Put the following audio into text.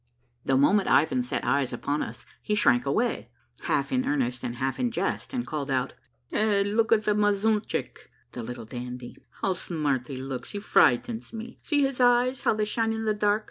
The moment Ivan set eyes upon us he shrank away, half in earnest and half in jest, and called out, — ''Hey, look at' the mazuntchick ! [Little Dandy!] How smart he looks ! He frightens me ! See his eyes, how they shine in the dark